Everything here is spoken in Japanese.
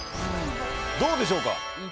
どうでしょうか。